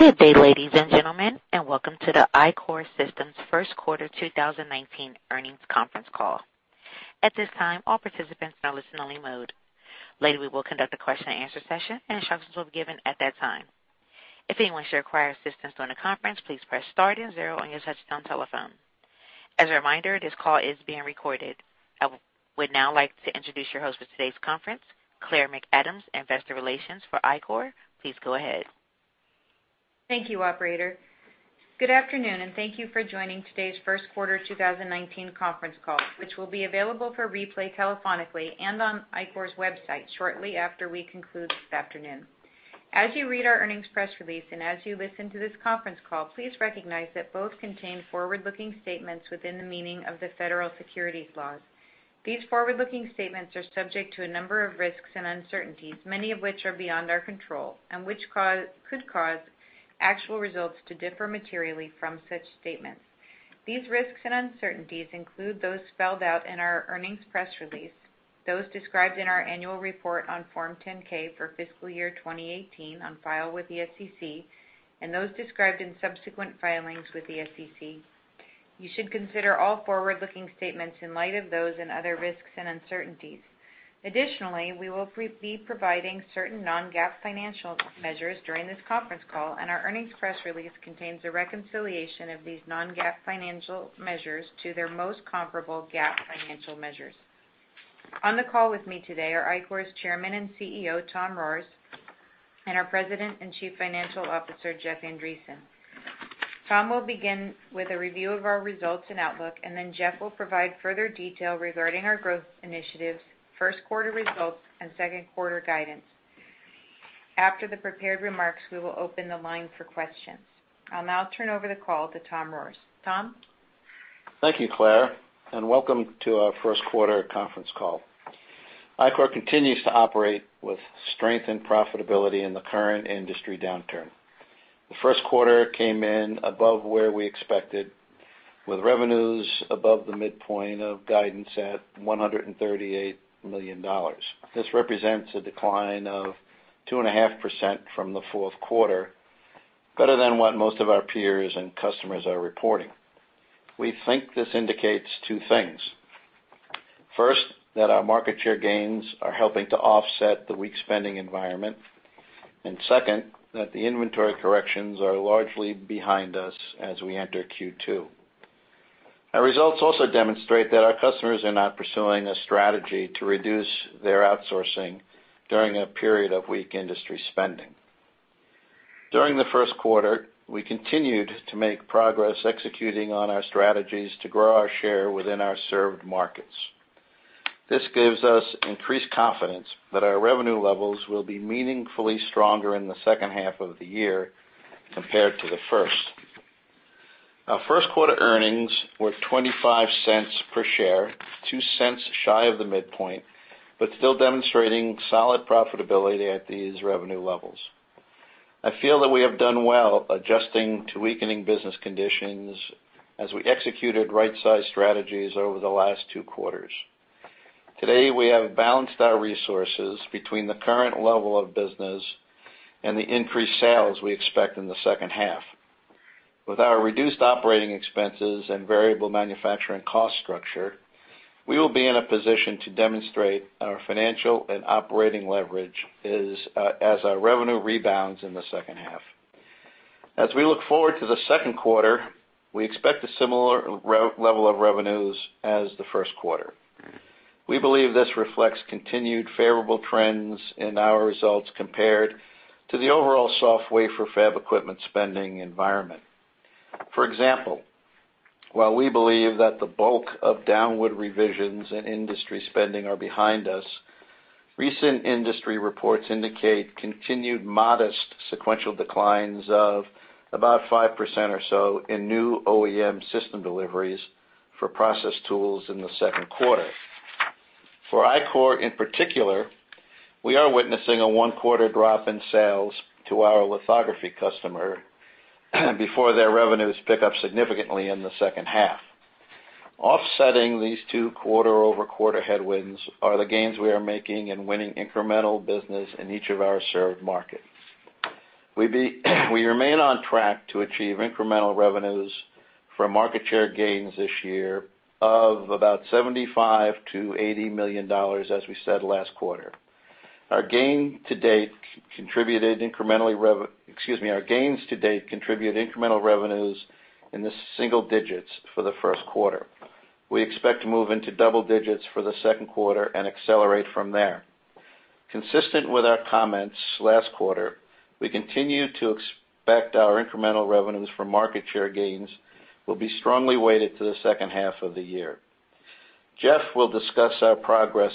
Good day, ladies and gentlemen, and welcome to the Ichor Systems first quarter 2019 earnings conference call. At this time, all participants are in listen-only mode. Later, we will conduct a question and answer session, and instructions will be given at that time. If anyone should require assistance during the conference, please press star and zero on your touch-tone telephone. As a reminder, this call is being recorded. I would now like to introduce your host for today's conference, Claire McAdams, investor relations for Ichor. Please go ahead. Thank you, operator. Good afternoon, and thank you for joining today's first quarter 2019 conference call, which will be available for replay telephonically and on Ichor's website shortly after we conclude this afternoon. As you read our earnings press release, as you listen to this conference call, please recognize that both contain forward-looking statements within the meaning of the federal securities laws. These forward-looking statements are subject to a number of risks and uncertainties, many of which are beyond our control and which could cause actual results to differ materially from such statements. These risks and uncertainties include those spelled out in our earnings press release, those described in our annual report on Form 10-K for fiscal year 2018 on file with the SEC, and those described in subsequent filings with the SEC. You should consider all forward-looking statements in light of those and other risks and uncertainties. Additionally, we will be providing certain non-GAAP financial measures during this conference call. Our earnings press release contains a reconciliation of these non-GAAP financial measures to their most comparable GAAP financial measures. On the call with me today are Ichor's Chairman and CEO, Tom Rohrs, and our President and Chief Financial Officer, Jeff Andreson. Tom will begin with a review of our results and outlook. Jeff will provide further detail regarding our growth initiatives, first quarter results, and second quarter guidance. After the prepared remarks, we will open the line for questions. I'll now turn over the call to Tom Rohrs. Tom? Thank you, Claire. Welcome to our first quarter conference call. Ichor continues to operate with strength and profitability in the current industry downturn. The first quarter came in above where we expected, with revenues above the midpoint of guidance at $138 million. This represents a decline of 2.5% from the fourth quarter, better than what most of our peers and customers are reporting. We think this indicates two things. First, that our market share gains are helping to offset the weak spending environment. Second, that the inventory corrections are largely behind us as we enter Q2. Our results also demonstrate that our customers are not pursuing a strategy to reduce their outsourcing during a period of weak industry spending. During the first quarter, we continued to make progress executing on our strategies to grow our share within our served markets. This gives us increased confidence that our revenue levels will be meaningfully stronger in the second half of the year compared to the first. Our first quarter earnings were $0.25 per share, $0.02 shy of the midpoint, but still demonstrating solid profitability at these revenue levels. I feel that we have done well adjusting to weakening business conditions as we executed right-size strategies over the last two quarters. Today, we have balanced our resources between the current level of business and the increased sales we expect in the second half. With our reduced operating expenses and variable manufacturing cost structure, we will be in a position to demonstrate our financial and operating leverage as our revenue rebounds in the second half. As we look forward to the second quarter, we expect a similar level of revenues as the first quarter. We believe this reflects continued favorable trends in our results compared to the overall soft wafer fab equipment spending environment. For example, while we believe that the bulk of downward revisions in industry spending are behind us, recent industry reports indicate continued modest sequential declines of about 5% or so in new OEM system deliveries for process tools in the second quarter. For Ichor, in particular, we are witnessing a one-quarter drop in sales to our lithography customer before their revenues pick up significantly in the second half. Offsetting these two quarter-over-quarter headwinds are the gains we are making in winning incremental business in each of our served markets. We remain on track to achieve incremental revenues for market share gains this year of about $75 million-$80 million as we said last quarter. Our gains to date contribute incremental revenues in the single digits for the first quarter. We expect to move into double digits for the second quarter and accelerate from there. Consistent with our comments last quarter, we continue to expect our incremental revenues from market share gains will be strongly weighted to the second half of the year. Jeff will discuss our progress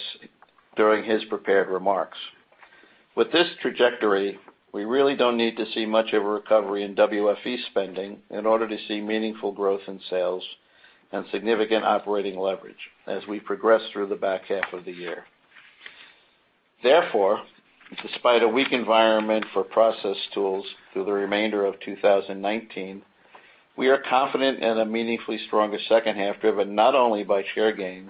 during his prepared remarks. With this trajectory, we really don't need to see much of a recovery in WFE spending in order to see meaningful growth in sales and significant operating leverage as we progress through the back half of the year. Therefore, despite a weak environment for process tools through the remainder of 2019. We are confident in a meaningfully stronger second half, driven not only by share gains,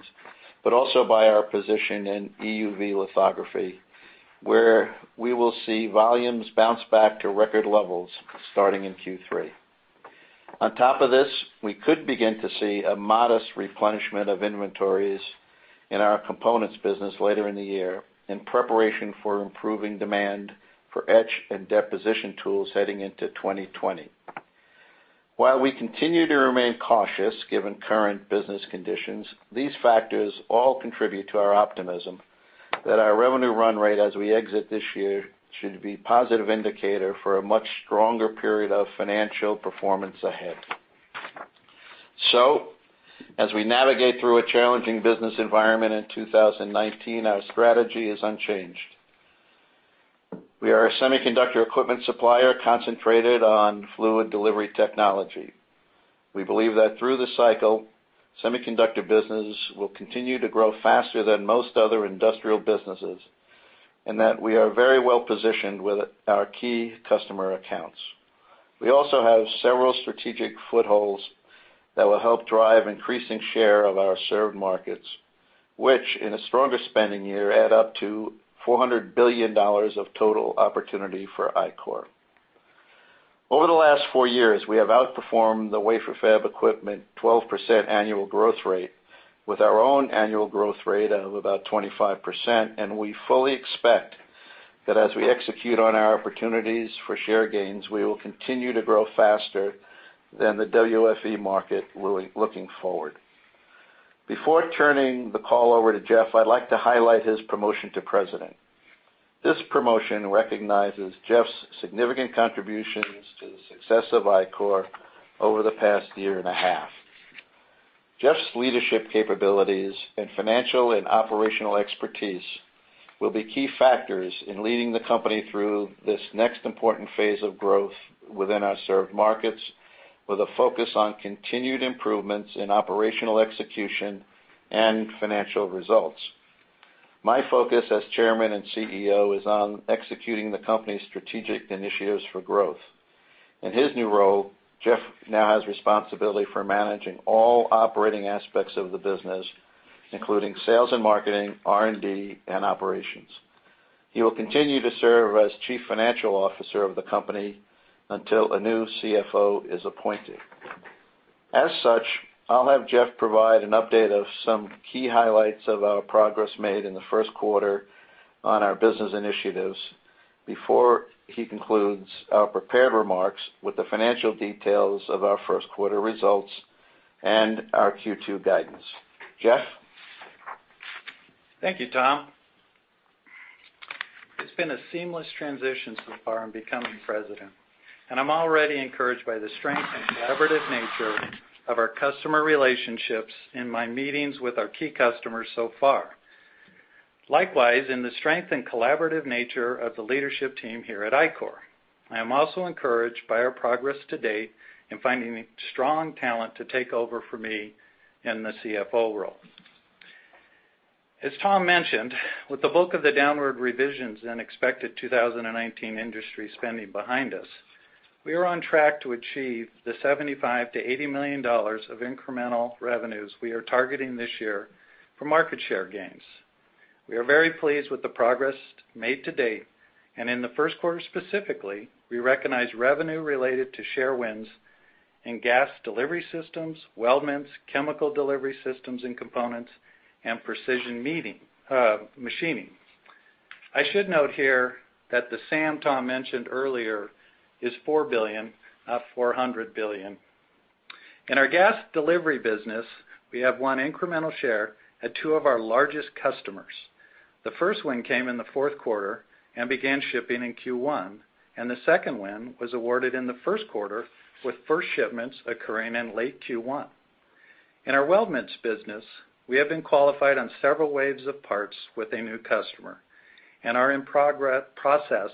but also by our position in EUV lithography, where we will see volumes bounce back to record levels starting in Q3. On top of this, we could begin to see a modest replenishment of inventories in our components business later in the year in preparation for improving demand for etch and deposition tools heading into 2020. While we continue to remain cautious given current business conditions, these factors all contribute to our optimism that our revenue run rate as we exit this year should be positive indicator for a much stronger period of financial performance ahead. As we navigate through a challenging business environment in 2019, our strategy is unchanged. We are a semiconductor equipment supplier concentrated on fluid delivery technology. We believe that through the cycle, semiconductor business will continue to grow faster than most other industrial businesses, and that we are very well-positioned with our key customer accounts. We also have several strategic footholds that will help drive increasing share of our served markets, which in a stronger spending year, add up to $400 billion of total opportunity for Ichor. Over the last four years, we have outperformed the wafer fab equipment 12% annual growth rate with our own annual growth rate of about 25%, and we fully expect that as we execute on our opportunities for share gains, we will continue to grow faster than the WFE market looking forward. Before turning the call over to Jeff, I'd like to highlight his promotion to President. This promotion recognizes Jeff's significant contributions to the success of Ichor over the past year and a half. Jeff's leadership capabilities and financial and operational expertise will be key factors in leading the company through this next important phase of growth within our served markets, with a focus on continued improvements in operational execution and financial results. My focus as Chairman and CEO is on executing the company's strategic initiatives for growth. In his new role, Jeff now has responsibility for managing all operating aspects of the business, including sales and marketing, R&D, and operations. He will continue to serve as Chief Financial Officer of the company until a new CFO is appointed. As such, I'll have Jeff provide an update of some key highlights of our progress made in the first quarter on our business initiatives before he concludes our prepared remarks with the financial details of our first quarter results and our Q2 guidance. Jeff? Thank you, Tom. It's been a seamless transition so far in becoming President. I'm already encouraged by the strength and collaborative nature of our customer relationships in my meetings with our key customers so far. Likewise, in the strength and collaborative nature of the leadership team here at Ichor. I am also encouraged by our progress to date in finding strong talent to take over for me in the CFO role. As Tom mentioned, with the bulk of the downward revisions in expected 2019 industry spending behind us, we are on track to achieve the $75 million to $80 million of incremental revenues we are targeting this year for market share gains. We are very pleased with the progress made to date, and in the first quarter specifically, we recognized revenue related to share wins in gas delivery systems, weldments, chemical delivery systems and components, and precision machining. I should note here that the SAM Tom mentioned earlier is $4 billion, not $400 billion. In our gas delivery business, we have won incremental share at two of our largest customers. The first win came in the fourth quarter and began shipping in Q1. The second win was awarded in the first quarter, with first shipments occurring in late Q1. In our weldments business, we have been qualified on several waves of parts with a new customer and are in process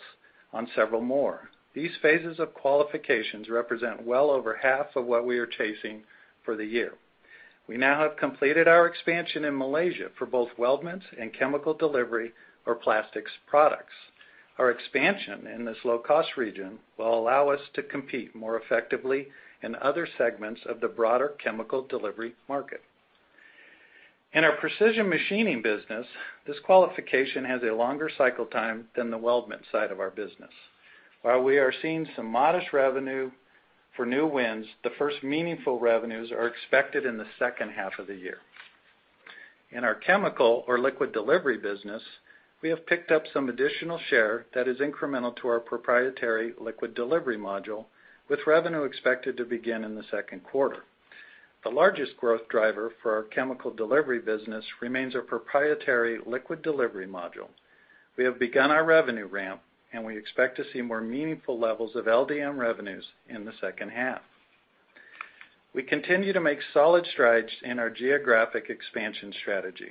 on several more. These phases of qualifications represent well over half of what we are chasing for the year. We now have completed our expansion in Malaysia for both weldments and chemical delivery or plastics products. Our expansion in this low-cost region will allow us to compete more effectively in other segments of the broader chemical delivery market. In our precision machining business, this qualification has a longer cycle time than the weldment side of our business. While we are seeing some modest revenue for new wins, the first meaningful revenues are expected in the second half of the year. In our chemical or liquid delivery business, we have picked up some additional share that is incremental to our proprietary liquid delivery module, with revenue expected to begin in the second quarter. The largest growth driver for our chemical delivery business remains our proprietary liquid delivery module. We have begun our revenue ramp, and we expect to see more meaningful levels of LDM revenues in the second half. We continue to make solid strides in our geographic expansion strategy.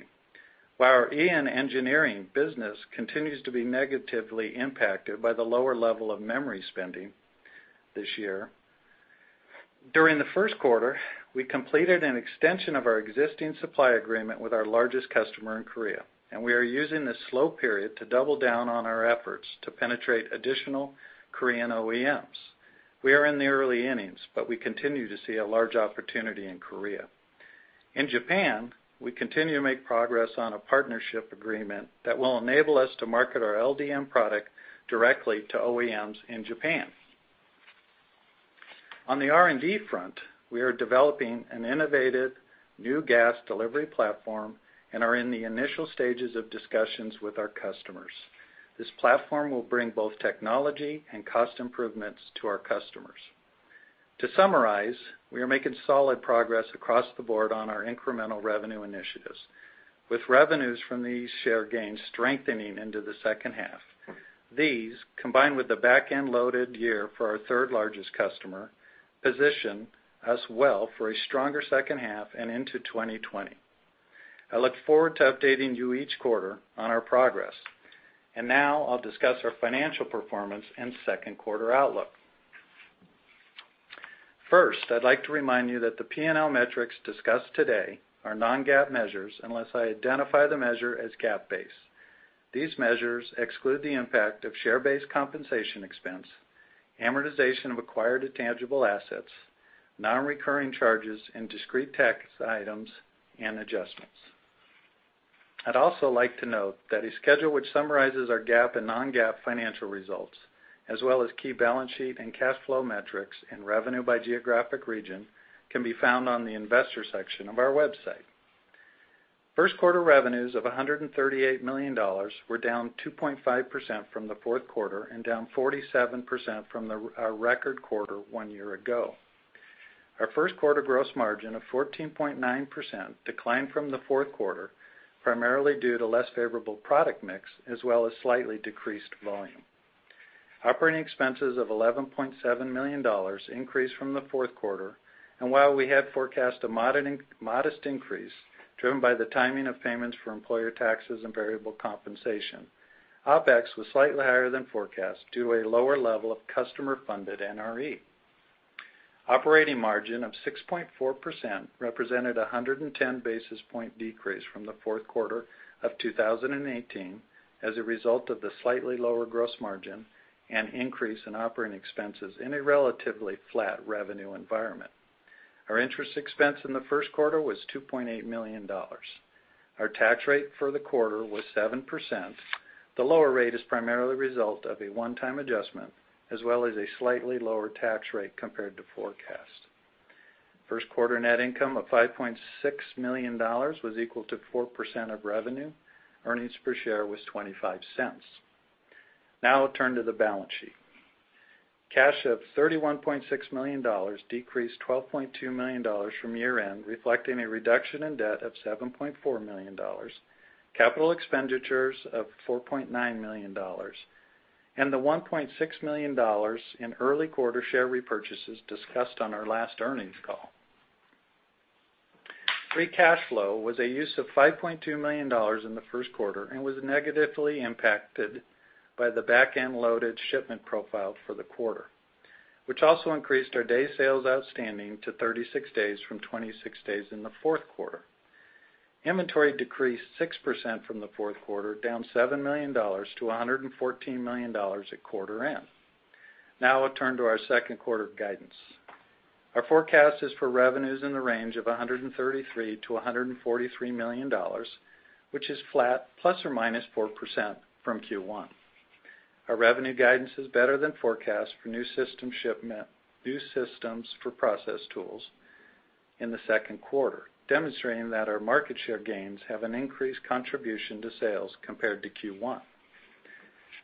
While our EN Engineering business continues to be negatively impacted by the lower level of memory spending this year, during the first quarter, we completed an extension of our existing supply agreement with our largest customer in Korea, and we are using this slow period to double down on our efforts to penetrate additional Korean OEMs. We are in the early innings, but we continue to see a large opportunity in Korea. In Japan, we continue to make progress on a partnership agreement that will enable us to market our LDM product directly to OEMs in Japan. On the R&D front, we are developing an innovative new gas delivery platform and are in the initial stages of discussions with our customers. This platform will bring both technology and cost improvements to our customers. To summarize, we are making solid progress across the board on our incremental revenue initiatives, with revenues from these share gains strengthening into the second half. These, combined with the back-end-loaded year for our third-largest customer, position us well for a stronger second half and into 2020. I look forward to updating you each quarter on our progress. Now I'll discuss our financial performance and second quarter outlook. First, I'd like to remind you that the P&L metrics discussed today are non-GAAP measures, unless I identify the measure as GAAP-based. These measures exclude the impact of share-based compensation expense, amortization of acquired tangible assets, non-recurring charges, and discrete tax items and adjustments. I'd also like to note that a schedule which summarizes our GAAP and non-GAAP financial results, as well as key balance sheet and cash flow metrics and revenue by geographic region, can be found on the investor section of our website. First quarter revenues of $138 million were down 2.5% from the fourth quarter and down 47% from our record quarter one year ago. Our first quarter gross margin of 14.9% declined from the fourth quarter, primarily due to less favorable product mix, as well as slightly decreased volume. Operating expenses of $11.7 million increased from the fourth quarter, and while we had forecast a modest increase driven by the timing of payments for employer taxes and variable compensation, OpEx was slightly higher than forecast due to a lower level of customer-funded NRE. Operating margin of 6.4% represented a 110-basis-point decrease from the fourth quarter of 2018 as a result of the slightly lower gross margin and increase in operating expenses in a relatively flat revenue environment. Our interest expense in the first quarter was $2.8 million. Our tax rate for the quarter was 7%. The lower rate is primarily the result of a one-time adjustment, as well as a slightly lower tax rate compared to forecast. First quarter net income of $5.6 million was equal to 4% of revenue. Earnings per share was $0.25. I'll turn to the balance sheet. Cash of $31.6 million decreased $12.2 million from year-end, reflecting a reduction in debt of $7.4 million, capital expenditures of $4.9 million, and the $1.6 million in early quarter share repurchases discussed on our last earnings call. Free cash flow was a use of $5.2 million in the first quarter and was negatively impacted by the back-end loaded shipment profile for the quarter, which also increased our day sales outstanding to 36 days from 26 days in the fourth quarter. Inventory decreased 6% from the fourth quarter, down $7 million to $114 million at quarter end. I'll turn to our second quarter guidance. Our forecast is for revenues in the range of $133 million-$143 million, which is flat ±4% from Q1. Our revenue guidance is better than forecast for new systems for process tools in the second quarter, demonstrating that our market share gains have an increased contribution to sales compared to Q1.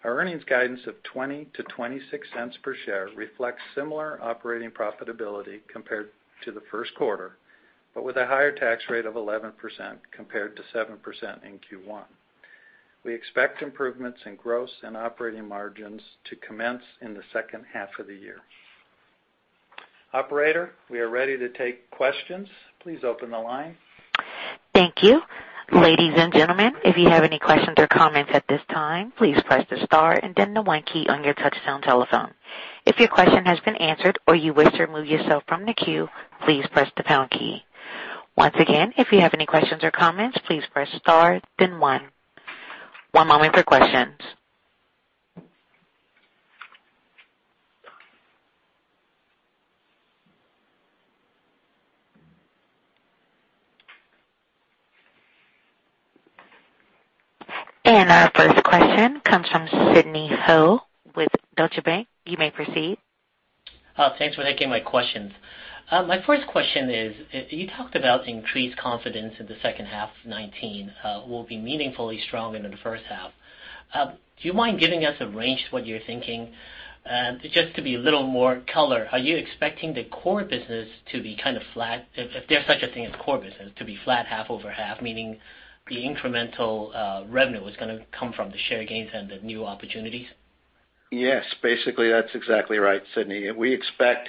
Our earnings guidance of $0.20-$0.26 per share reflects similar operating profitability compared to the first quarter, but with a higher tax rate of 11% compared to 7% in Q1. We expect improvements in gross and operating margins to commence in the second half of the year. Operator, we are ready to take questions. Please open the line. Thank you. Ladies and gentlemen, if you have any questions or comments at this time, please press the star and then the one key on your touch-tone telephone. If your question has been answered or you wish to remove yourself from the queue, please press the pound key. Once again, if you have any questions or comments, please press star then one. One moment for questions. Our first question comes from Sidney Ho with Deutsche Bank. You may proceed. Thanks for taking my questions. My first question is, you talked about increased confidence that the second half 2019 will be meaningfully stronger than the first half. Do you mind giving us a range what you're thinking? Just to be a little more color, are you expecting the core business to be kind of flat, if there's such a thing as core business, to be flat half over half, meaning the incremental revenue is going to come from the share gains and the new opportunities? Yes. Basically, that's exactly right, Sidney. We expect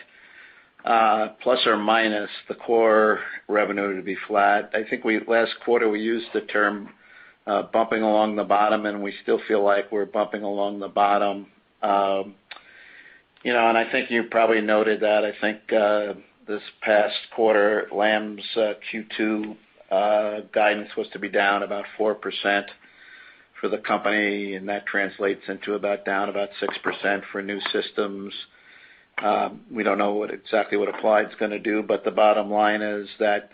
plus or minus the core revenue to be flat. I think last quarter, we used the term bumping along the bottom, and we still feel like we're bumping along the bottom. I think you probably noted that, I think, this past quarter, Lam's Q2 guidance was to be down about 4%. For the company, that translates into about down about 6% for new systems. We don't know exactly what Applied's going to do, the bottom line is that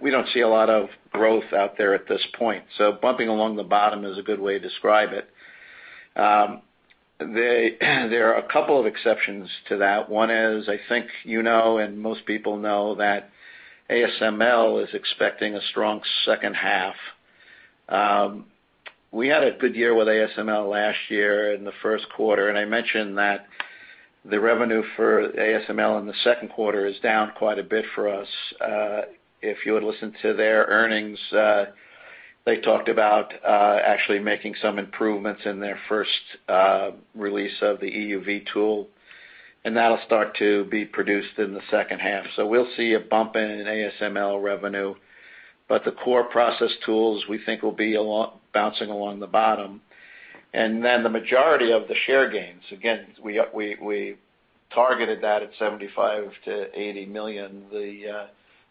we don't see a lot of growth out there at this point. Bumping along the bottom is a good way to describe it. There are a couple of exceptions to that. One is, I think you know, and most people know that ASML is expecting a strong second half. We had a good year with ASML last year in the first quarter, I mentioned that the revenue for ASML in the second quarter is down quite a bit for us. If you had listened to their earnings, they talked about actually making some improvements in their first release of the EUV tool, that'll start to be produced in the second half. We'll see a bump in ASML revenue, the core process tools we think will be bouncing along the bottom. The majority of the share gains, again, we targeted that at $75 million-$80 million.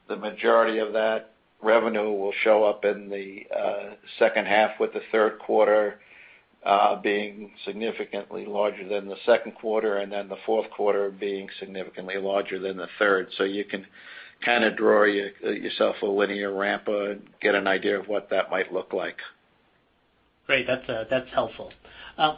The majority of that revenue will show up in the second half with the third quarter being significantly larger than the second quarter, the fourth quarter being significantly larger than the third. You can kind of draw yourself a linear ramp up and get an idea of what that might look like. Great. That's helpful.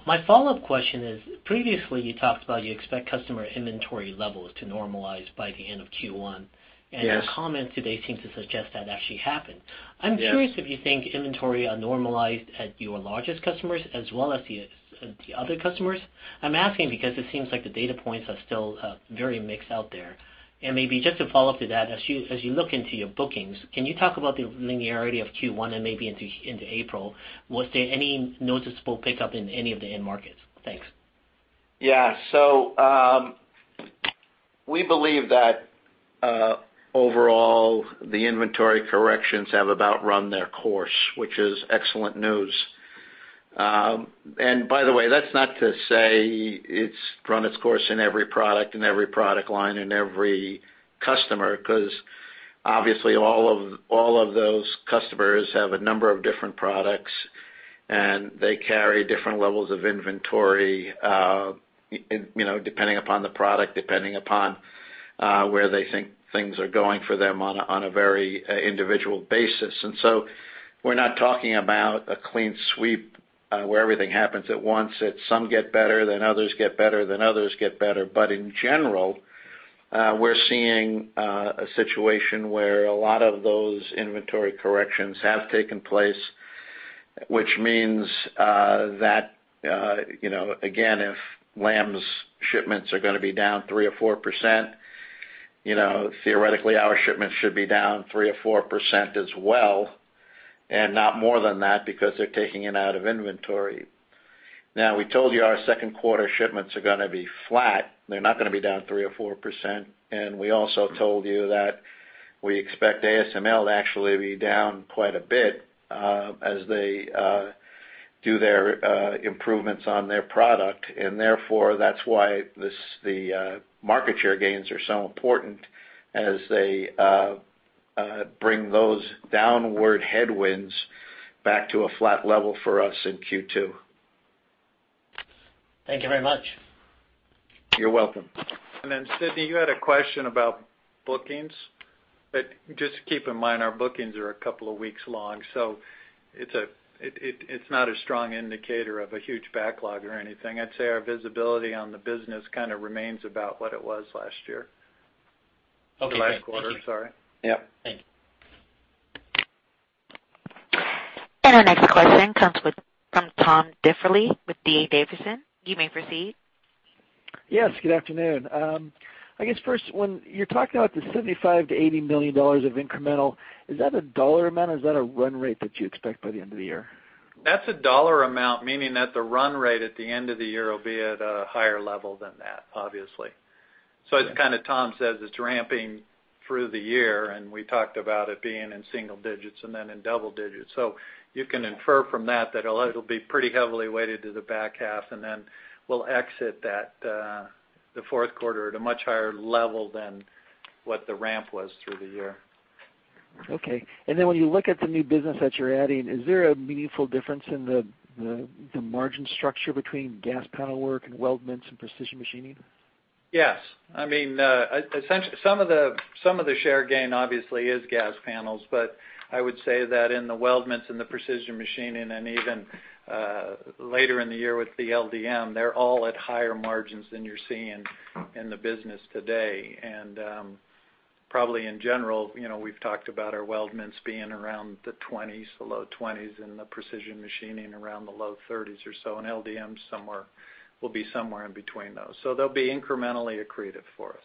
My follow-up question is: previously you talked about you expect customer inventory levels to normalize by the end of Q1. Yes. Your comments today seem to suggest that actually happened. Yes. I'm curious if you think inventory normalized at your largest customers as well as the other customers? I'm asking because it seems like the data points are still very mixed out there. Maybe just to follow up to that, as you look into your bookings, can you talk about the linearity of Q1 and maybe into April? Was there any noticeable pickup in any of the end markets? Thanks. Yeah. We believe that, overall, the inventory corrections have about run their course, which is excellent news. By the way, that's not to say it's run its course in every product, in every product line, in every customer, because obviously all of those customers have a number of different products, and they carry different levels of inventory depending upon the product, depending upon where they think things are going for them on a very individual basis. We're not talking about a clean sweep where everything happens at once. It's some get better, then others get better, then others get better. In general, we're seeing a situation where a lot of those inventory corrections have taken place, which means that, again, if Lam's shipments are going to be down 3% or 4%, theoretically our shipments should be down 3% or 4% as well, and not more than that because they're taking it out of inventory. Now, we told you our second quarter shipments are going to be flat. They're not going to be down 3% or 4%. We also told you that we expect ASML to actually be down quite a bit as they do their improvements on their product. Therefore, that's why the market share gains are so important as they bring those downward headwinds back to a flat level for us in Q2. Thank you very much. You're welcome. Sidney, you had a question about bookings. Just keep in mind, our bookings are a couple of weeks long, so it's not a strong indicator of a huge backlog or anything. I'd say our visibility on the business kind of remains about what it was last year. Okay, great. Thank you. The last quarter, sorry. Yep. Thank you. Our next question comes from Tom Diffely with D.A. Davidson. You may proceed. Yes, good afternoon. I guess first, when you're talking about the $75 million-$80 million of incremental, is that a dollar amount or is that a run rate that you expect by the end of the year? That's a dollar amount, meaning that the run rate at the end of the year will be at a higher level than that, obviously. As kind of Tom says, it's ramping through the year, and we talked about it being in single digits and then in double digits. You can infer from that it'll be pretty heavily weighted to the back half, and then we'll exit the fourth quarter at a much higher level than what the ramp was through the year. Okay. When you look at the new business that you're adding, is there a meaningful difference in the margin structure between gas panel work and weldments and precision machining? Yes. Some of the share gain obviously is gas panels, but I would say that in the weldments and the precision machining, and even later in the year with the LDM, they're all at higher margins than you're seeing in the business today. Probably in general, we've talked about our weldments being around the 20s, the low 20s, and the precision machining around the low 30s or so, and LDM will be somewhere in between those. They'll be incrementally accretive for us.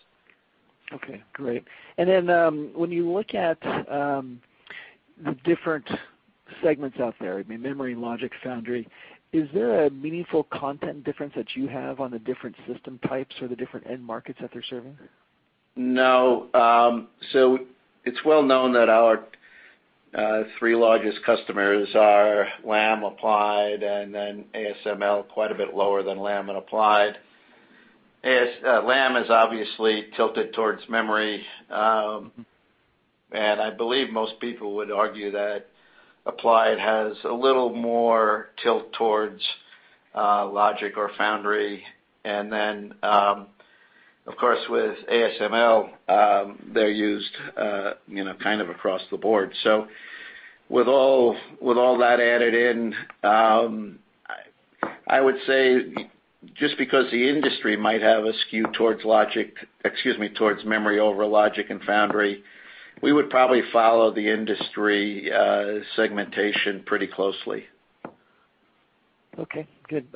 Okay, great. Then when you look at the different segments out there, memory, logic, foundry, is there a meaningful content difference that you have on the different system types or the different end markets that they're serving? No. It's well known that our three largest customers are Lam, Applied, then ASML, quite a bit lower than Lam and Applied. Yes. Lam is obviously tilted towards memory. I believe most people would argue that Applied has a little more tilt towards logic or foundry. Then, of course, with ASML, they're used kind of across the board. With all that added in, I would say, just because the industry might have a skew towards memory over logic and foundry, we would probably follow the industry segmentation pretty closely. Okay, good.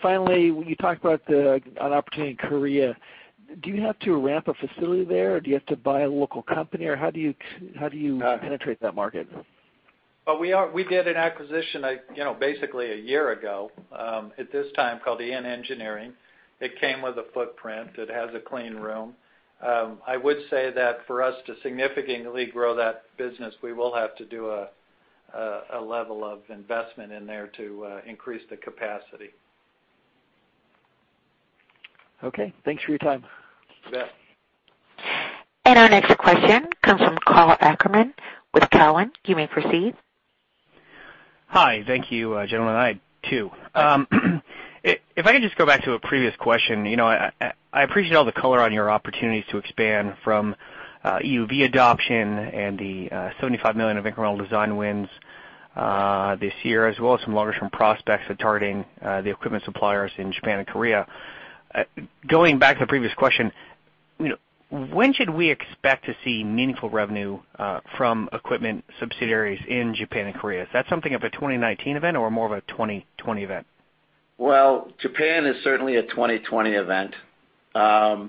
Finally, when you talk about an opportunity in Korea, do you have to ramp a facility there, or do you have to buy a local company, or how do you penetrate that market? Well, we did an acquisition basically a year ago, at this time called EN Engineering. It came with a footprint. It has a clean room. I would say that for us to significantly grow that business, we will have to do a level of investment in there to increase the capacity. Okay. Thanks for your time. You bet. Our next question comes from Karl Ackerman with Cowen. You may proceed. Hi. Thank you, gentlemen. If I could just go back to a previous question. I appreciate all the color on your opportunities to expand from EUV adoption and the $75 million of incremental design wins this year, as well as some longer-term prospects of targeting the equipment suppliers in Japan and Korea. Going back to the previous question, when should we expect to see meaningful revenue from equipment subsidiaries in Japan and Korea? Is that something of a 2019 event or more of a 2020 event? Well, Japan is certainly a 2020 event. I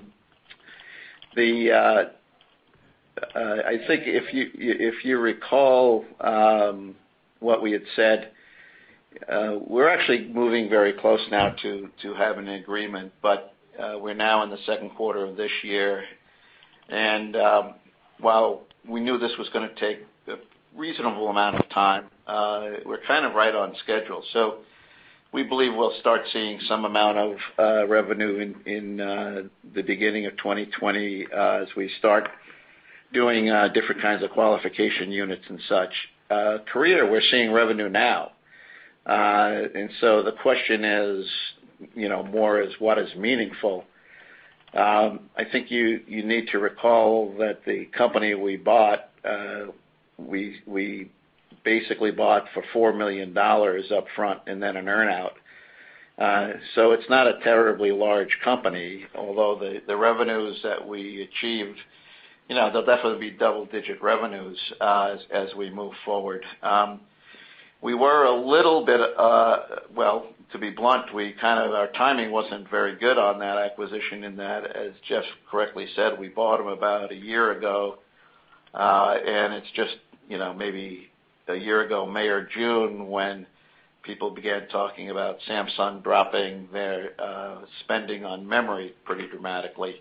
think if you recall what we had said, we're actually moving very close now to have an agreement. We're now in the second quarter of this year. While we knew this was going to take a reasonable amount of time, we're kind of right on schedule. We believe we'll start seeing some amount of revenue in the beginning of 2020, as we start doing different kinds of qualification units and such. Korea, we're seeing revenue now. The question is, more is what is meaningful. I think you need to recall that the company we bought, we basically bought for $4 million up front and then an earn out. It's not a terribly large company, although the revenues that we achieved, they'll definitely be double-digit revenues as we move forward. Well, to be blunt, our timing wasn't very good on that acquisition in that, as Jeff correctly said, we bought them about a year ago. It's just maybe a year ago, May or June, when people began talking about Samsung dropping their spending on memory pretty dramatically.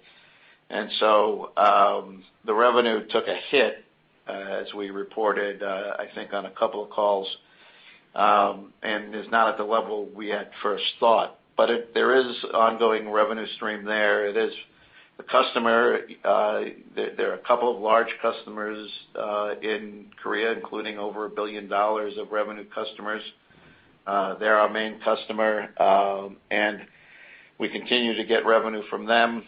The revenue took a hit as we reported, I think on a couple of calls, and is not at the level we had first thought. There is ongoing revenue stream there. There are a couple of large customers in Korea, including over $1 billion of revenue customers. They're our main customer, and we continue to get revenue from them.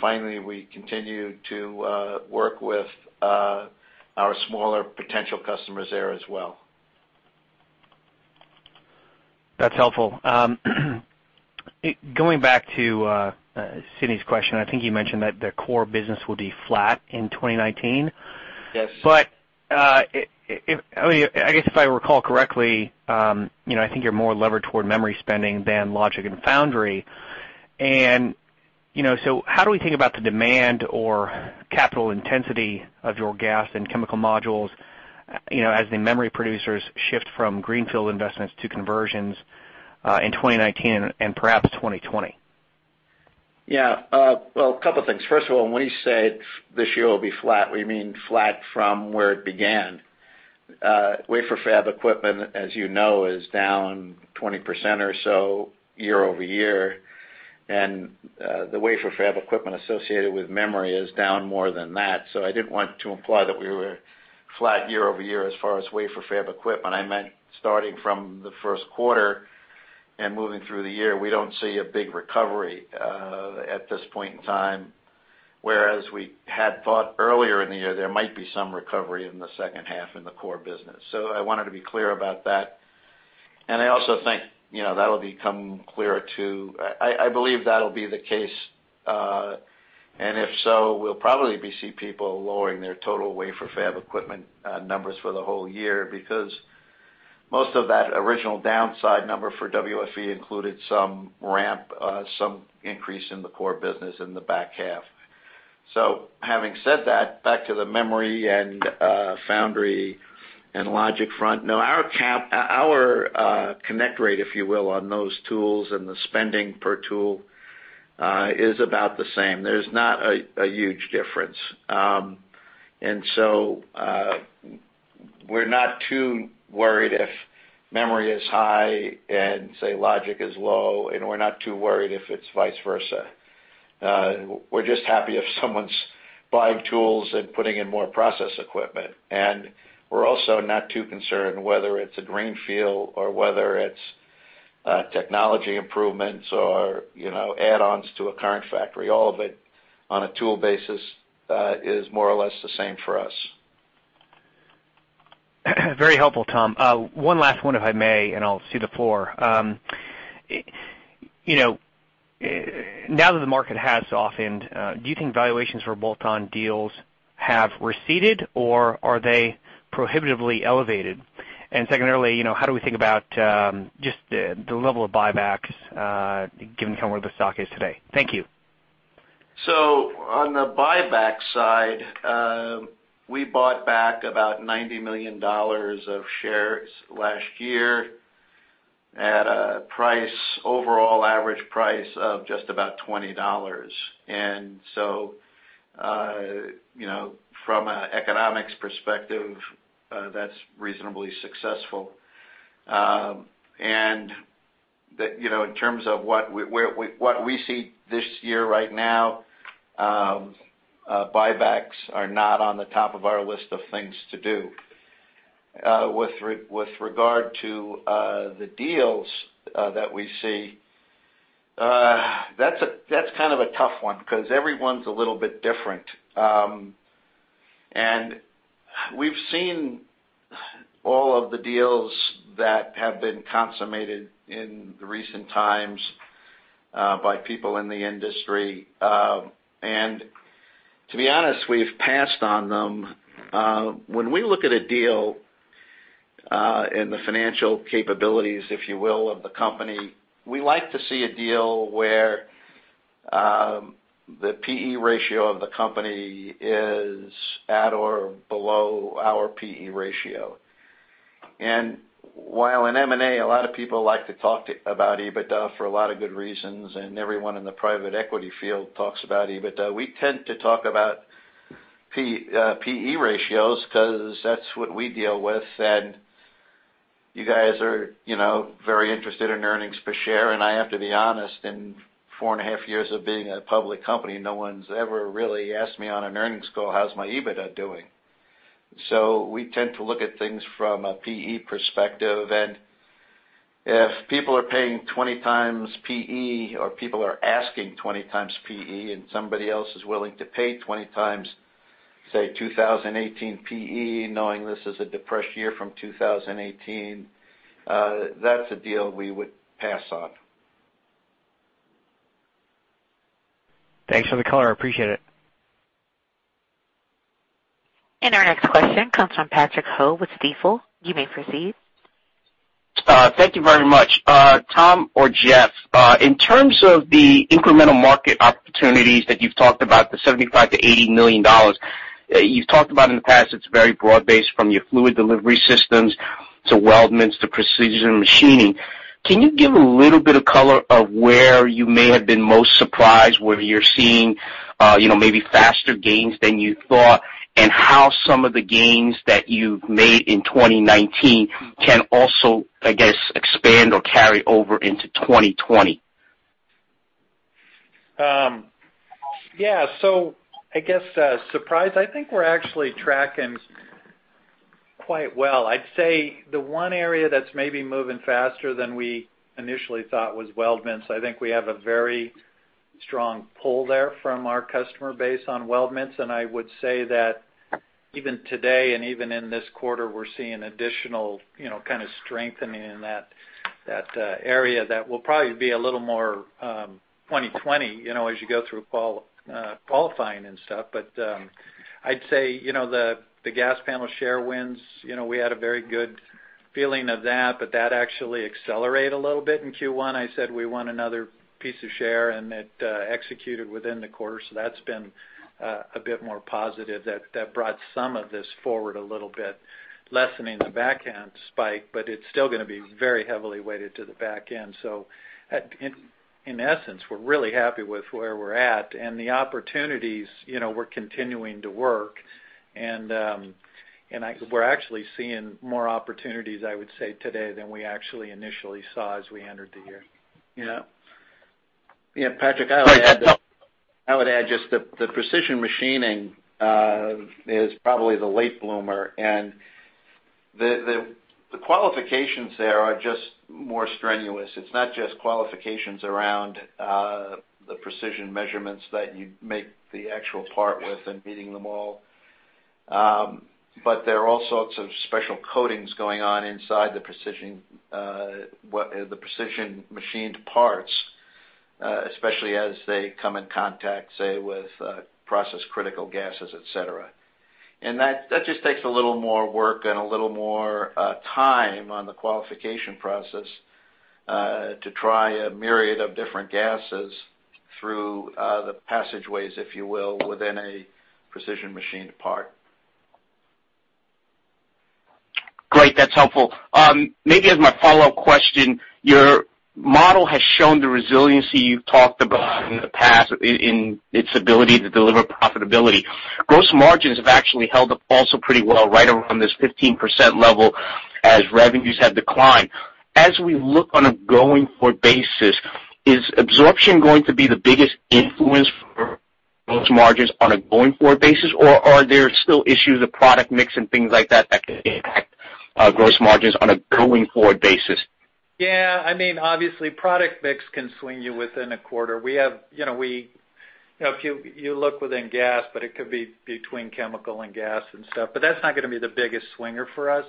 Finally, we continue to work with our smaller potential customers there as well. That's helpful. Going back to Sidney's question, I think you mentioned that the core business will be flat in 2019. Yes. I guess if I recall correctly, I think you're more levered toward memory spending than logic and foundry. How do we think about the demand or capital intensity of your gas and chemical modules, as the memory producers shift from greenfield investments to conversions, in 2019 and perhaps 2020? Well, a couple things. First of all, when we said this year will be flat, we mean flat from where it began. Wafer fab equipment, as you know, is down 20% or so year-over-year. And the wafer fab equipment associated with memory is down more than that. I didn't want to imply that we were flat year-over-year as far as wafer fab equipment. I meant starting from the first quarter and moving through the year, we don't see a big recovery at this point in time, whereas we had thought earlier in the year there might be some recovery in the second half in the core business. I wanted to be clear about that. I also think that'll become clearer too. I believe that'll be the case, and if so, we'll probably be seeing people lowering their total wafer fab equipment numbers for the whole year because most of that original downside number for WFE included some ramp, some increase in the core business in the back half. Having said that, back to the memory and foundry and logic front. No, our connect rate, if you will, on those tools and the spending per tool is about the same. There's not a huge difference. We're not too worried if memory is high and, say, logic is low, and we're not too worried if it's vice versa. We're just happy if someone's buying tools and putting in more process equipment. We're also not too concerned whether it's a greenfield or whether it's technology improvements or add-ons to a current factory. All of it, on a tool basis, is more or less the same for us. Very helpful, Tom. One last one if I may, and I'll cede the floor. Now that the market has softened, do you think valuations for bolt-on deals have receded, or are they prohibitively elevated? Secondly, how do we think about just the level of buybacks, given where the stock is today? Thank you. On the buyback side, we bought back about $90 million of shares last year at an overall average price of just about $20. From an economics perspective, that's reasonably successful. In terms of what we see this year right now, buybacks are not on the top of our list of things to do. With regard to the deals that we see, that's kind of a tough one, because every one's a little bit different. We've seen all of the deals that have been consummated in recent times by people in the industry. To be honest, we've passed on them. When we look at a deal and the financial capabilities, if you will, of the company, we like to see a deal where the P/E ratio of the company is at or below our P/E ratio. While in M&A, a lot of people like to talk about EBITDA for a lot of good reasons, and everyone in the private equity field talks about EBITDA, we tend to talk about P/E ratios because that's what we deal with. You guys are very interested in earnings per share, and I have to be honest, in four and a half years of being a public company, no one's ever really asked me on an earnings call how's my EBITDA doing. We tend to look at things from a P/E perspective. If people are paying 20 times P/E or people are asking 20 times P/E and somebody else is willing to pay 20 times, say, 2018 P/E, knowing this is a depressed year from 2018, that's a deal we would pass on. Thanks for the color. I appreciate it. Our next question comes from Patrick Ho with Stifel. You may proceed. Thank you very much. Tom or Jeff, in terms of the incremental market opportunities that you've talked about, the $75 million-$80 million. You've talked about in the past, it's very broad-based from your fluid delivery systems to weldments to precision machining. Can you give a little bit of color of where you may have been most surprised, whether you're seeing maybe faster gains than you thought, and how some of the gains that you've made in 2019 can also, I guess, expand or carry over into 2020? Yeah. I guess, surprise, I think we're actually tracking quite well. I'd say the one area that's maybe moving faster than we initially thought was weldments. I think we have a very strong pull there from our customer base on weldments, and I would say that even today and even in this quarter, we're seeing additional kind of strengthening in that area that will probably be a little more 2020, as you go through qualifying and stuff. I'd say, the gas panel share wins, we had a very good feeling of that, but that actually accelerated a little bit in Q1. I said we won another piece of share, and it executed within the quarter, that's been a bit more positive. That brought some of this forward a little bit, lessening the back-end spike, but it's still going to be very heavily weighted to the back end. In essence, we're really happy with where we're at and the opportunities we're continuing to work, and we're actually seeing more opportunities, I would say today than we actually initially saw as we entered the year. Yeah. Patrick, I would add just the precision machining is probably the late bloomer. The qualifications there are just more strenuous. It's not just qualifications around the precision measurements that you make the actual part with and meeting them all. There are all sorts of special coatings going on inside the precision machined parts, especially as they come in contact, say, with process critical gases, et cetera. That just takes a little more work and a little more time on the qualification process to try a myriad of different gases through the passageways, if you will, within a precision machined part. Great. That's helpful. Maybe as my follow-up question, your model has shown the resiliency you've talked about in the past in its ability to deliver profitability. Gross margins have actually held up also pretty well, right around this 15% level as revenues have declined. As we look on a going-forward basis, is absorption going to be the biggest influence for gross margins on a going-forward basis, or are there still issues of product mix and things like that that could impact gross margins on a going-forward basis? Yeah. Obviously, product mix can swing you within a quarter. If you look within gas, it could be between chemical and gas and stuff. That's not going to be the biggest swinger for us.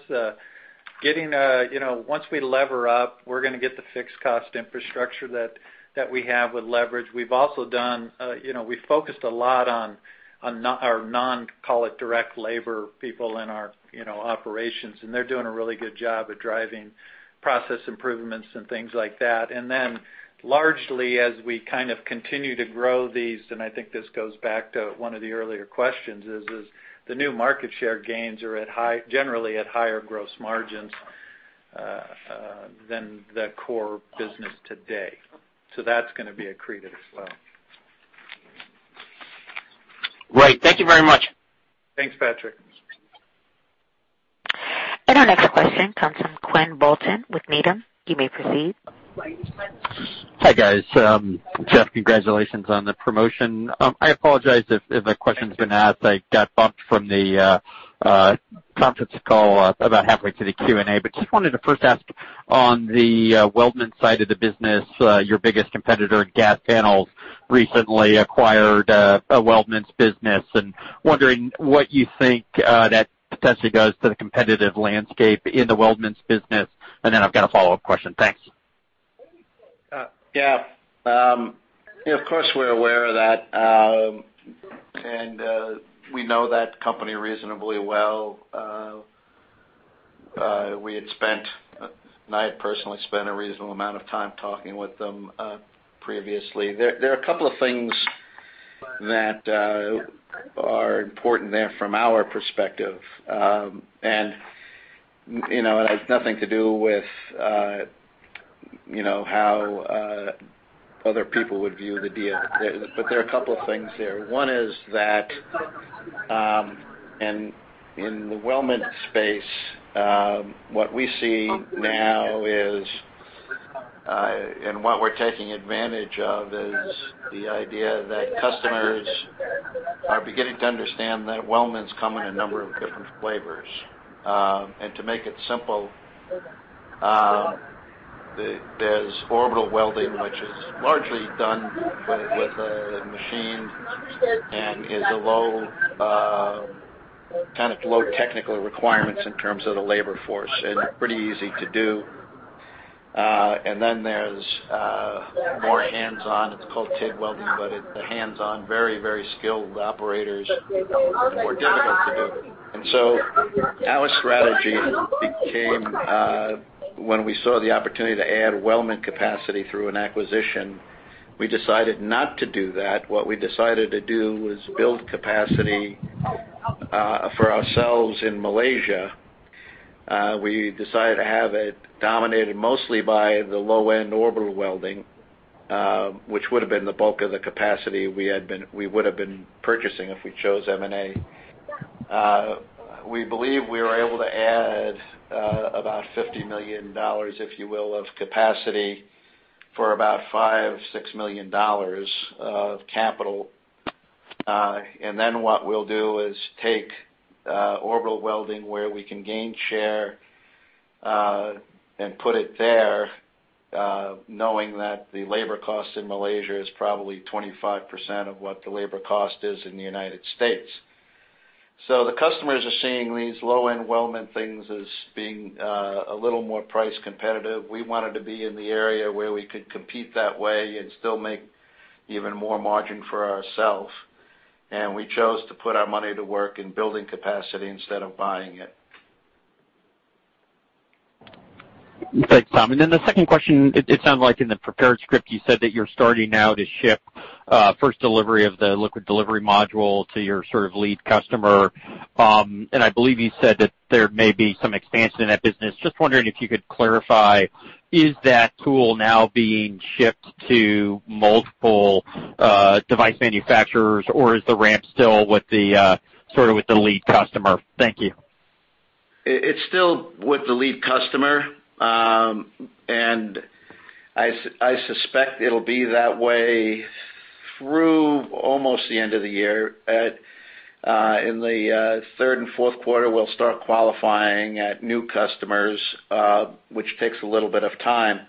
Once we lever up, we're going to get the fixed cost infrastructure that we have with leverage. We've focused a lot on our non-call it direct labor people in our operations, and they're doing a really good job at driving process improvements and things like that. Largely, as we kind of continue to grow these, and I think this goes back to one of the earlier questions is, the new market share gains are generally at higher gross margins than the core business today. That's going to be accretive as well. Great. Thank you very much. Thanks, Patrick. Our next question comes from Quinn Bolton with Needham. You may proceed. Hi, guys. Jeff, congratulations on the promotion. I apologize if the question's been asked. I got bumped from the conference call about halfway through the Q&A. Just wanted to first ask on the weldment side of the business, your biggest competitor in gas panels recently acquired a weldments business, wondering what you think that potentially does to the competitive landscape in the weldments business. Then I've got a follow-up question. Thanks. Yeah. Of course, we're aware of that. We know that company reasonably well. We had spent, I had personally spent a reasonable amount of time talking with them previously. There are a couple of things that are important there from our perspective. It has nothing to do with how other people would view the deal. There are a couple of things here. One is that, in the weldment space, what we see now is, what we're taking advantage of is the idea that customers are beginning to understand that weldments come in a number of different flavors. To make it simple, there's orbital welding, which is largely done with a machine and is a low kind of technical requirements in terms of the labor force, pretty easy to do. Then there's more hands-on. It's called TIG welding, but it's a hands-on, very skilled operators, more difficult to do. Our strategy became, when we saw the opportunity to add weldment capacity through an acquisition, we decided not to do that. What we decided to do was build capacity for ourselves in Malaysia. We decided to have it dominated mostly by the low-end orbital welding, which would have been the bulk of the capacity we would have been purchasing if we chose M&A. We believe we were able to add about $50 million, if you will, of capacity for about $5, $6 million of capital. Then what we'll do is take orbital welding where we can gain share, and put it there, knowing that the labor cost in Malaysia is probably 25% of what the labor cost is in the United States. The customers are seeing these low-end weldment things as being a little more price competitive. We wanted to be in the area where we could compete that way and still make even more margin for ourselves. We chose to put our money to work in building capacity instead of buying it. Thanks, Tom. Then the second question, it sounds like in the prepared script, you said that you're starting now to ship first delivery of the liquid delivery module to your sort of lead customer. I believe you said that there may be some expansion in that business. Just wondering if you could clarify. Is that tool now being shipped to multiple device manufacturers, or is the ramp still sort of with the lead customer? Thank you. It's still with the lead customer. I suspect it'll be that way through almost the end of the year. In the third and fourth quarter, we'll start qualifying at new customers, which takes a little bit of time.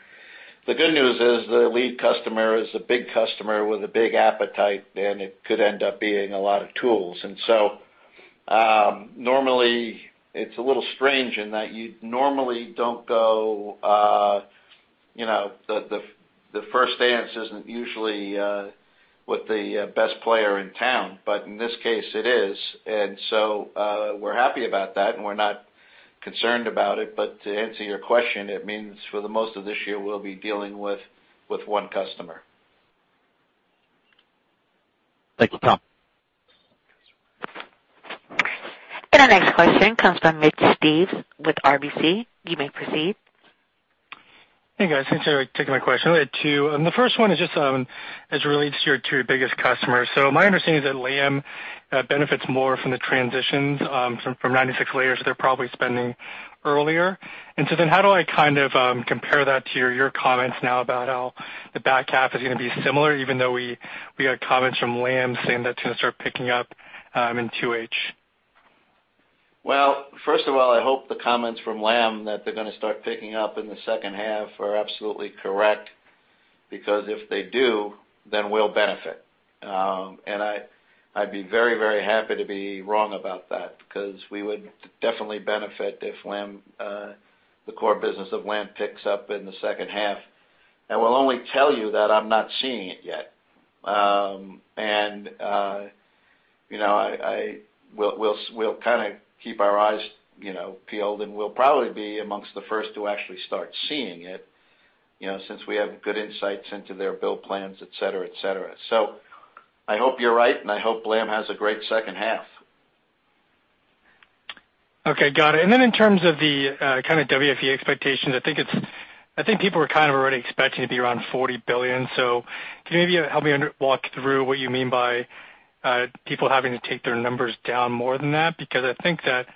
The good news is the lead customer is a big customer with a big appetite, and it could end up being a lot of tools. Normally it's a little strange in that you normally don't go the first dance isn't usually with the best player in town. But in this case, it is. We're happy about that, and we're not concerned about it. To answer your question, it means for the most of this year, we'll be dealing with one customer. Thank you, Tom. Our next question comes from Mitch Steves with RBC. You may proceed. Hey, guys. Thanks for taking my question. I had two, and the first one is just as it relates to your two biggest customers. My understanding is that Lam benefits more from the transitions from 96 layers they're probably spending earlier. How do I kind of compare that to your comments now about how the back half is going to be similar, even though we had comments from Lam saying that's going to start picking up in 2H? First of all, I hope the comments from Lam that they're going to start picking up in the second half are absolutely correct, because if they do, then we'll benefit. I'd be very happy to be wrong about that because we would definitely benefit if the core business of Lam picks up in the second half. I will only tell you that I'm not seeing it yet. We'll kind of keep our eyes peeled, and we'll probably be amongst the first to actually start seeing it, since we have good insights into their build plans, et cetera. I hope you're right, and I hope Lam has a great second half. Okay, got it. In terms of the kind of WFE expectations, I think people were kind of already expecting it to be around $40 billion. Can you maybe help me walk through what you mean by people having to take their numbers down more than that? Because I think that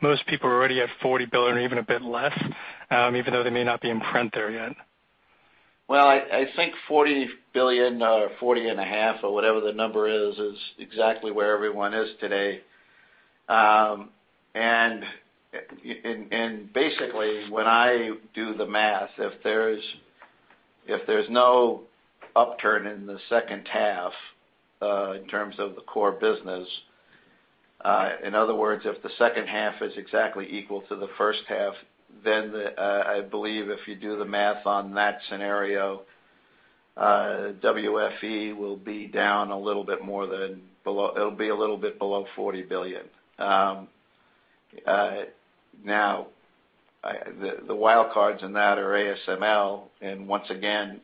most people are already at $40 billion or even a bit less, even though they may not be in print there yet. I think $40 billion or $40.5 billion or whatever the number is exactly where everyone is today. Basically, when I do the math, if there's no upturn in the second half in terms of the core business, in other words, if the second half is exactly equal to the first half, I believe if you do the math on that scenario, WFE will be down a little bit more than it'll be a little bit below $40 billion. The wild cards in that are ASML, and once again,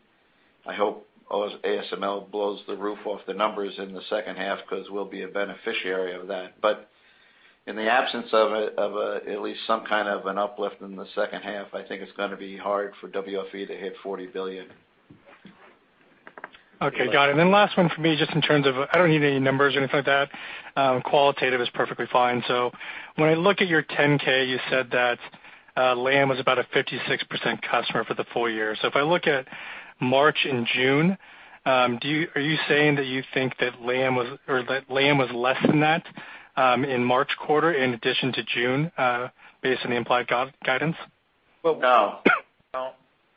I hope ASML blows the roof off the numbers in the second half because we'll be a beneficiary of that. In the absence of at least some kind of an uplift in the second half, I think it's going to be hard for WFE to hit $40 billion. Okay, got it. Then last one for me, just in terms of, I don't need any numbers or anything like that. Qualitative is perfectly fine. When I look at your 10-K, you said that Lam was about a 56% customer for the full year. If I look at March and June, are you saying that you think that Lam was less than that in March quarter in addition to June, based on the implied guidance? No.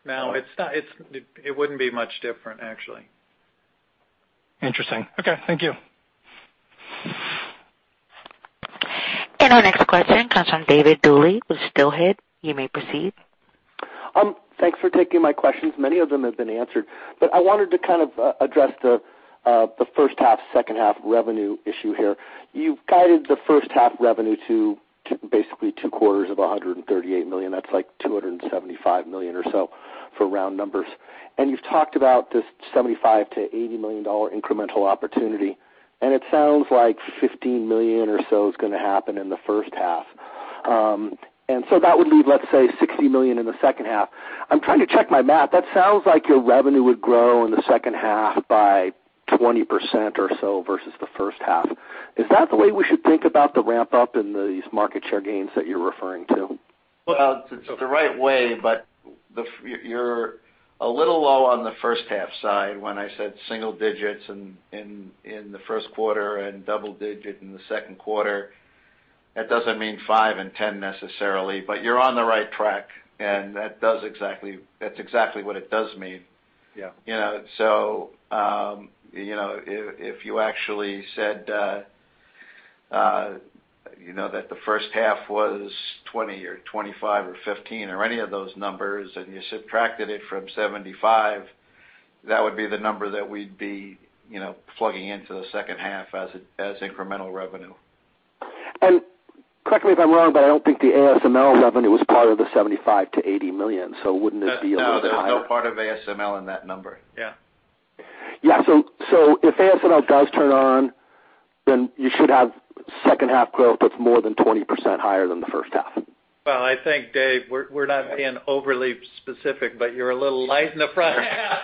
It wouldn't be much different, actually. Interesting. Okay. Thank you. Our next question comes from David Duley with Steelhead. You may proceed. Thanks for taking my questions. Many of them have been answered, but I wanted to kind of address the first half, second half revenue issue here. You've guided the first half revenue to basically two quarters of $138 million. That's like $275 million or so for round numbers. You've talked about this $75 million-$80 million incremental opportunity, and it sounds like $15 million or so is going to happen in the first half. That would leave, let's say, $60 million in the second half. I'm trying to check my math. That sounds like your revenue would grow in the second half by 20% or so versus the first half. Is that the way we should think about the ramp-up in these market share gains that you're referring to? Well, it's the right way, but you're a little low on the first half side. When I said single digits in the first quarter and double digit in the second quarter, that doesn't mean five and 10 necessarily, but you're on the right track, and that's exactly what it does mean. Yeah. If you actually said that the first half was 20 or 25 or 15 or any of those numbers, and you subtracted it from 75, that would be the number that we'd be plugging into the second half as incremental revenue. Correct me if I'm wrong, but I don't think the ASML revenue was part of the $75 million-$80 million, so wouldn't it be a little bit higher? No, there's no part of ASML in that number. Yeah. Yeah. If ASML does turn on, then you should have second half growth that's more than 20% higher than the first half. Well, I think, Dave, we're not being overly specific, but you're a little light in the front half.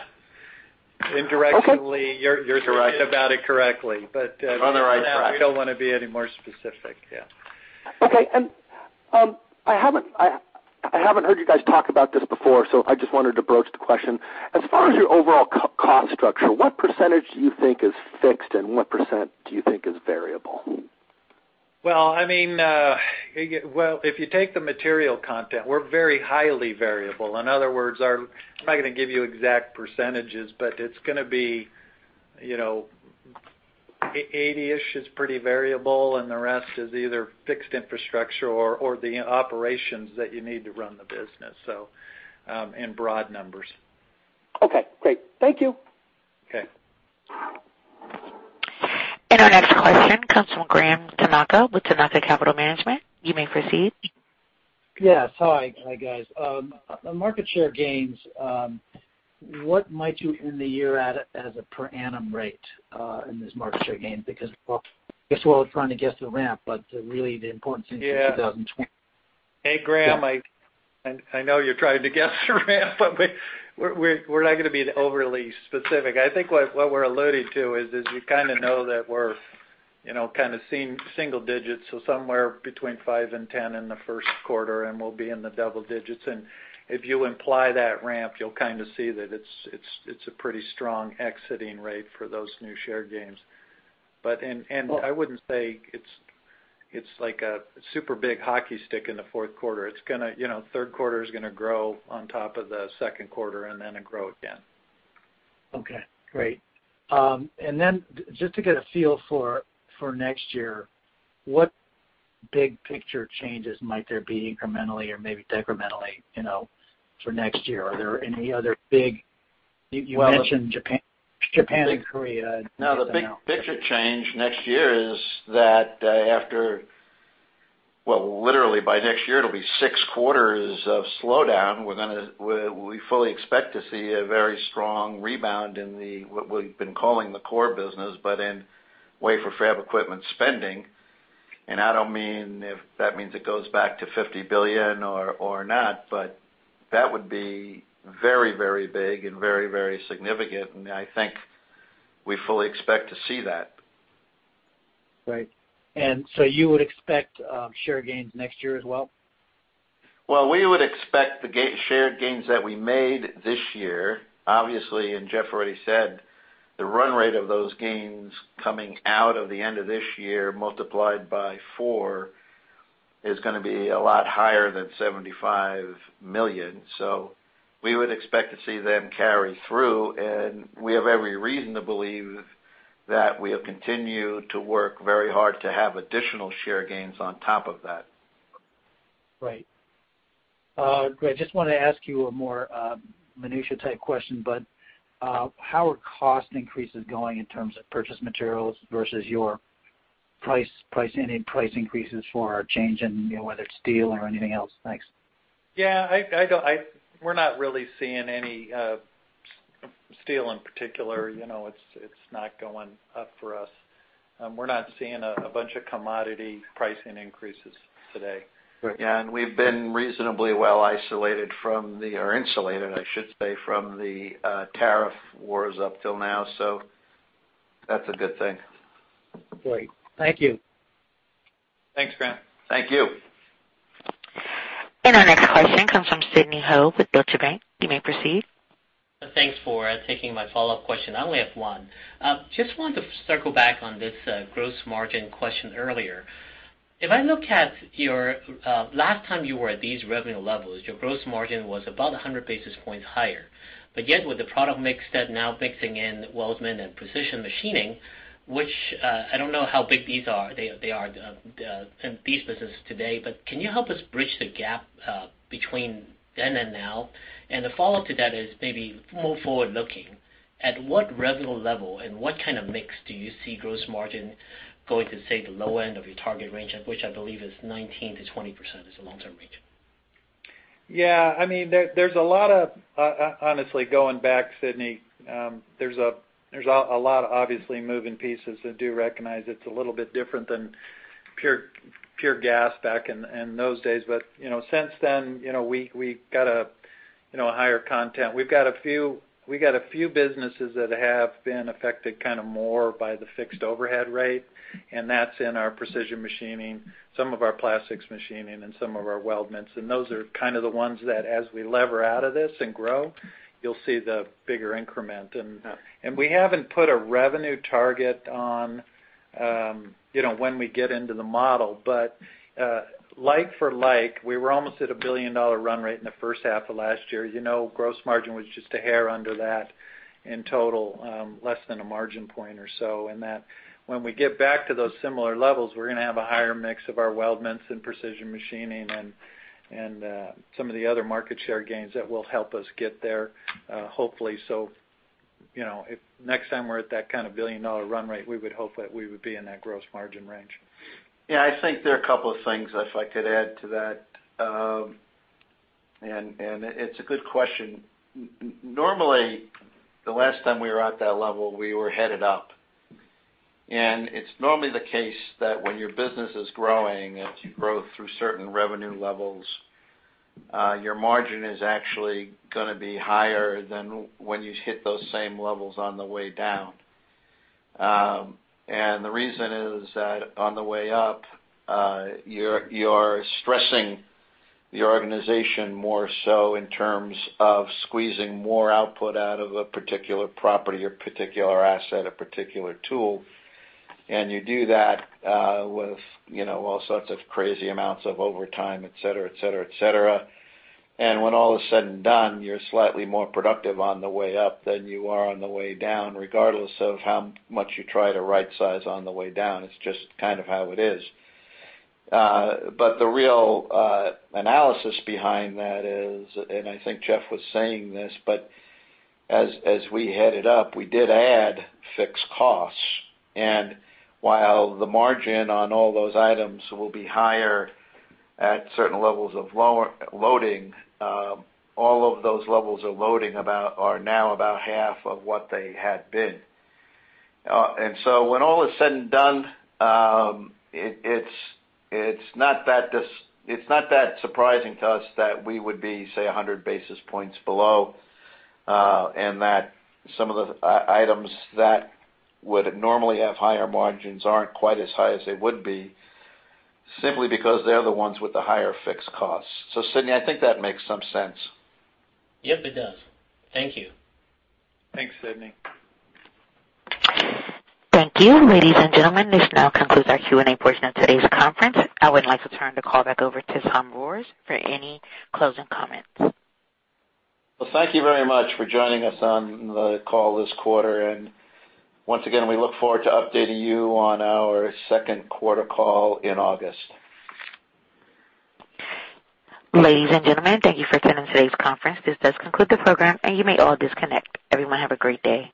Okay. Indirectionally, you're- Correct thinking about it correctly, but- You're on the right track. for now, we don't want to be any more specific, yeah. Okay. I haven't heard you guys talk about this before, so I just wanted to broach the question. As far as your overall cost structure, what percentage do you think is fixed, and what percent do you think is variable? Well, if you take the material content, we're very highly variable. In other words, I'm not going to give you exact percentages, but it's going to be 80-ish is pretty variable, and the rest is either fixed infrastructure or the operations that you need to run the business, so in broad numbers. Okay, great. Thank you. Okay. Our next question comes from Graham Tanaka with Tanaka Capital Management. You may proceed. Yes. Hi guys. On market share gains, what might you end the year at as a per annum rate, in this market share gain? Well, I guess we're all trying to guess the ramp, but really the important thing for 2020- Yeah. Hey, Graham, I know you're trying to guess the ramp, we're not going to be overly specific. I think what we're alluding to is you kind of know that we're kind of seeing single digits, so somewhere between five and 10 in the first quarter, we'll be in the double digits. If you imply that ramp, you'll kind of see that it's a pretty strong exiting rate for those new share gains. I wouldn't say it's like a super big hockey stick in the fourth quarter. Third quarter is going to grow on top of the second quarter, it'll grow again. Okay. Great. Just to get a feel for next year, what big picture changes might there be incrementally or maybe decrementally for next year? Are there any other big? You mentioned Japan and Korea. No, the big picture change next year is that after, well, literally by next year, it'll be six quarters of slowdown. We fully expect to see a very strong rebound in the, what we've been calling the core business, but in wafer fab equipment spending. I don't mean if that means it goes back to $50 billion or not, that would be very big and very significant, I think we fully expect to see that. Right. You would expect share gains next year as well? Well, we would expect the share gains that we made this year. Obviously, Jeff already said, the run rate of those gains coming out of the end of this year multiplied by four is going to be a lot higher than $75 million. We would expect to see them carry through, and we have every reason to believe that we'll continue to work very hard to have additional share gains on top of that. Right. Great. Just want to ask you a more minutiae-type question, how are cost increases going in terms of purchase materials versus your price increases for a change in whether it's steel or anything else? Thanks. Yeah, we're not really seeing any steel in particular. It's not going up for us. We're not seeing a bunch of commodity pricing increases today. Great. Yeah, we've been reasonably well isolated from the, or insulated, I should say, from the tariff wars up till now, so that's a good thing. Great. Thank you. Thanks, Graham. Thank you. Our next question comes from Sidney Ho with Deutsche Bank. You may proceed. Thanks for taking my follow-up question. I only have one. Just wanted to circle back on this gross margin question earlier. If I look at last time you were at these revenue levels, your gross margin was about 100 basis points higher. Yet with the product mix that now mixing in weldment and precision machining, which I don't know how big these are, in these businesses today, can you help us bridge the gap between then and now? The follow-up to that is maybe more forward-looking. At what revenue level and what kind of mix do you see gross margin going to, say, the low end of your target range, which I believe is 19%-20%, is the long-term range? Yeah, honestly, going back, Sidney, there's a lot of obviously moving pieces. I do recognize it's a little bit different than pure gas back in those days. Since then, we got a higher content. We've got a few businesses that have been affected more by the fixed overhead rate, and that's in our precision machining, some of our plastics machining, and some of our weldments. Those are kind of the ones that as we lever out of this and grow, you'll see the bigger increment. We haven't put a revenue target on when we get into the model. Like for like, we were almost at a billion-dollar run rate in the first half of last year. Gross margin was just a hair under that in total, less than a margin point or so in that. When we get back to those similar levels, we're going to have a higher mix of our weldments and precision machining and some of the other market share gains that will help us get there, hopefully. If next time we're at that kind of billion-dollar run rate, we would hope that we would be in that gross margin range. Yeah, I think there are a couple of things, if I could add to that. It's a good question. Normally, the last time we were at that level, we were headed up. It's normally the case that when your business is growing, as you grow through certain revenue levels, your margin is actually going to be higher than when you hit those same levels on the way down. The reason is that on the way up, you're stressing the organization more so in terms of squeezing more output out of a particular property or particular asset or particular tool. You do that with all sorts of crazy amounts of overtime, et cetera. When all is said and done, you're slightly more productive on the way up than you are on the way down, regardless of how much you try to right size on the way down. It's just kind of how it is. The real analysis behind that is, I think Jeff was saying this, as we headed up, we did add fixed costs. While the margin on all those items will be higher at certain levels of loading, all of those levels of loading are now about half of what they had been. When all is said and done, it's not that surprising to us that we would be, say, 100 basis points below, and that some of the items that would normally have higher margins aren't quite as high as they would be, simply because they're the ones with the higher fixed costs. Sidney, I think that makes some sense. Yep, it does. Thank you. Thanks, Sidney. Thank you. Ladies and gentlemen, this now concludes our Q&A portion of today's conference. I would like to turn the call back over to Tom Rohrs for any closing comments. Well, thank you very much for joining us on the call this quarter. Once again, we look forward to updating you on our second quarter call in August. Ladies and gentlemen, thank you for attending today's conference. This does conclude the program, and you may all disconnect. Everyone have a great day.